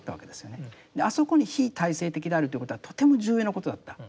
あそこに非体制的であるということはとても重要なことだった。